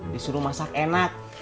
disuruh masak enak